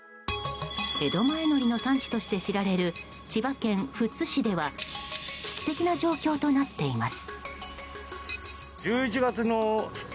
江戸前のりの産地として知られる千葉県富津市では危機的な状況となっています。